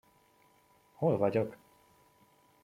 Hol vagyok?